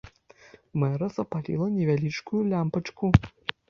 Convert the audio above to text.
Мэра запаліла невялічкую лямпачку.